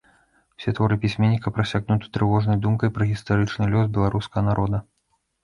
Усе творы пісьменніка прасякнуты трывожнай думкай пра гістарычны лёс беларускага народа.